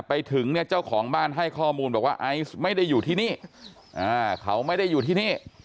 ไปถึงเนี่ยเจ้าของบ้านให้ข้อมูลบอกว่าไอซ์ไม่ได้อยู่ที่นี่เขาไม่ได้อยู่ที่นี่